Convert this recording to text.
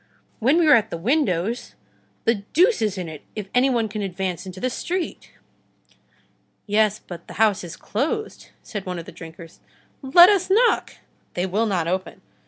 When we are at the windows, the deuce is in it if any one can advance into the street!" "Yes, but the house is closed," said one of the drinkers. "Let us knock!" "They will not open."